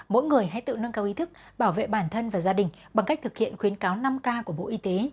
mỗi người hãy tự nâng cao ý thức bảo vệ bản thân và gia đình bằng cách thực hiện khuyến cáo năm k của bộ y tế